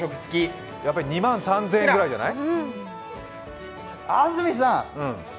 ２万３０００円ぐらいじゃない？